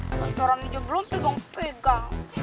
malah jalan aja belum pegang pegang